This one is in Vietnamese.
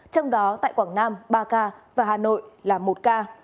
trong đó tại quảng nam ba ca và hà nội là một ca